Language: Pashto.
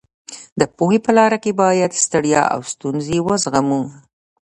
د پوهې په لاره کې باید ستړیا او ستونزې وزغمو.